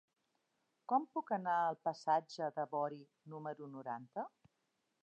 Com puc anar al passatge de Bori número noranta?